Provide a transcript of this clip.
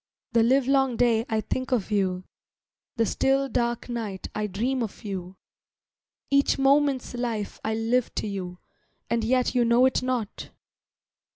The livelong day I think of you, The still, dark night I dream of you, Each moment's life I live to you, And yet you know it not.